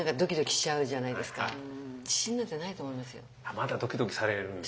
まだドキドキされるんですか。